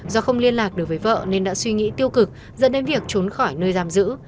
do không liên lạc được với vợ nên đã suy nghĩ tiêu cực dẫn đến việc trốn khỏi nơi giam giữ